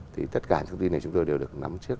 thì tất cả thông tin này chúng tôi đều được nắm trước